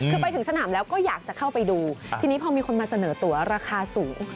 คือไปถึงสนามแล้วก็อยากจะเข้าไปดูทีนี้พอมีคนมาเสนอตัวราคาสูง